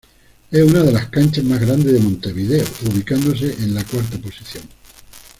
Es una de las canchas más grandes de Montevideo, ubicándose en la cuarta posición.